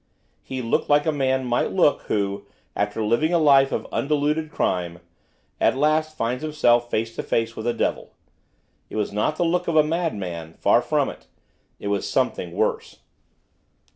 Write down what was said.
He looked like a man might look who, after living a life of undiluted crime, at last finds himself face to face with the devil. It was not the look of a madman, far from it; it was something worse.